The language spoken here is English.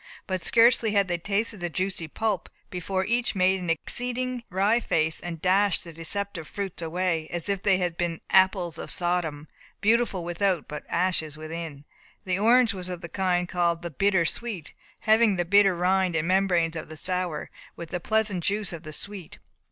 But scarcely had they tasted the juicy pulp, before each made an exceeding wry face, and dashed the deceptive fruits away, as if they had been apples of Sodom, beautiful without, but ashes within. The orange was of the kind called the "bitter sweet," having the bitter rind and membranes of the sour, with the pleasant juice of the sweet.